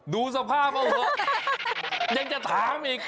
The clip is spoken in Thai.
ดูสภาพเอาเถอะยังจะถามอีก